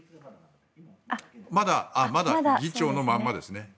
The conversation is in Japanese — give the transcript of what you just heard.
まだ議長のまんまですね。